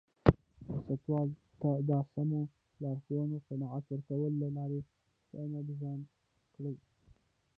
سیاستوالو ته د سمو لارښوونو قناعت ورکولو له لارې هوساینه ډیزاین کړو.